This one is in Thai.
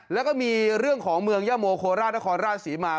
แล้วก็มีเรื่องของเมืองย่าโมโคราชนครราชศรีมา